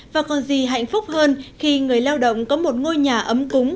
và còn gì hạnh phúc hơn khi người lao động có một ngôi nhà ấm cúng